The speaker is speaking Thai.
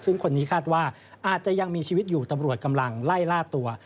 ซึ่งคนนี้คาดว่าอาจจะยังมีชีวิตอยู่ตำรวจกำลังไล่ล่าตัว